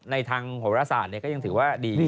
ในทางโหรศาสตร์ก็ยังถือว่าดี